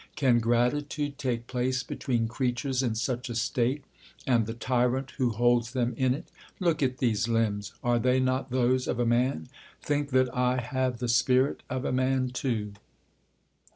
Can gratitude take place between creatures in such a state, and the tyrant wh© holds them in it ? Look at these limbs ; are they not those of a man ? Think that 1 have the spirit of a man too.